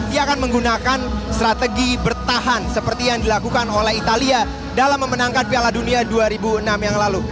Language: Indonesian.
ia akan menggunakan strategi bertahan seperti yang dilakukan oleh italia dalam memenangkan piala dunia dua ribu enam yang lalu